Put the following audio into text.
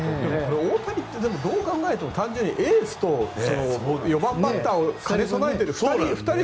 大谷ってどう考えても単純にエースと４番バッターを兼ね備えていると。